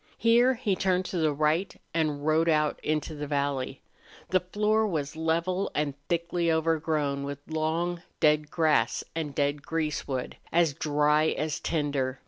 Here he turned to the right and rode out into the valley. The floor was level and thickly overgrown with long, dead grass and dead greasewood, as dry as tinder.